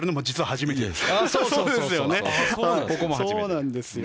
そうなんですよ。